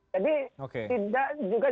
jadi tidak juga